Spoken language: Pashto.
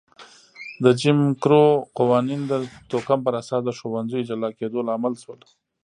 د جیم کرو قوانین د توکم پر اساس د ښوونځیو جلا کېدو لامل شول.